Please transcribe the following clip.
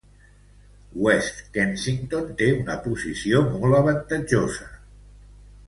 West Kensington té una posició molt avantatjosa.